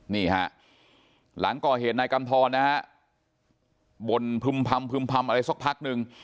นี่ฮะหลังก่อเหตุนายกำทรนะฮะบ่นพึ่มพำพึ่มพำอะไรสักพักนึง